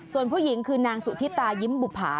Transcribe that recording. ส่วนผู้หญิงคือนางสุธิตายิ้มบุภา